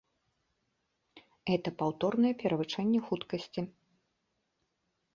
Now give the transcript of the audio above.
Гэта паўторнае перавышэнне хуткасці.